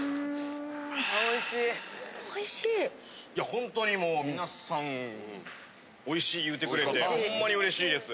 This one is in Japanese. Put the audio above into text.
ほんとにもう皆さんおいしい言うてくれてホンマにうれしいです。